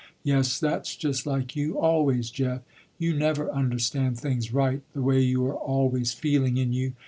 "Yes that's just like you always, Jeff, you never understand things right, the way you are always feeling in you.